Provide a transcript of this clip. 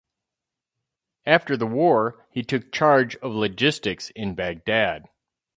After the war he took charge of logistics in Baghdad.